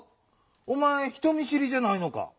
おまえ人見しりじゃないのか？